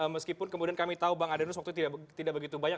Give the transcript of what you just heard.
meskipun kemudian kami tahu bang adrinus waktu itu tidak begitu banyak